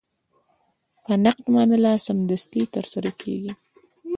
په نقد معامله سمدستي ترسره کېږي.